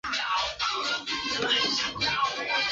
瘦中肢水蚤为异肢水蚤科中肢水蚤属下的一个种。